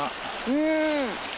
うん。